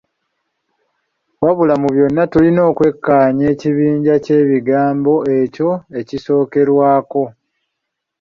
Wabula mu byonna tulina okwekkaanya ekibinja ky’ekigambo ekyo ekisookerwako.